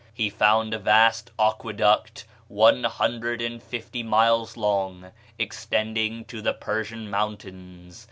He found a vast aqueduct one hundred and fifty miles long, extending to the Persian mountains.